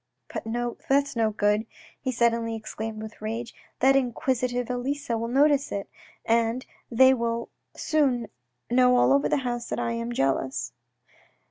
" But that's no good," he suddenly exclaimed with rage. " That inquisitive Elisa will notice it, and they will soon know all over the house that I am jealous."